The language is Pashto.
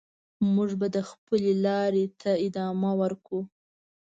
موږ به د خپلې لارې ته ادامه ورکړو.